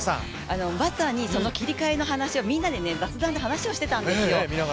まさに切り替えの話、みんなで雑談で話をしていたんですよ。